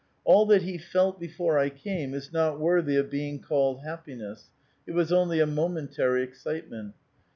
All that he felt before T came is not worthy of being called happiness ; it was only a momentary excitement.